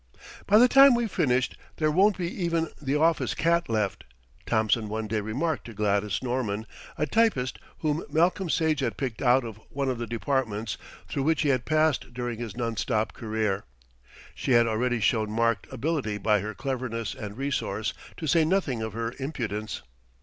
"By the time we've finished, there won't be even the office cat left," Thompson one day remarked to Gladys Norman, a typist whom Malcolm Sage had picked out of one of the Departments through which he had passed during his non stop career. She had already shown marked ability by her cleverness and resource, to say nothing of her impudence.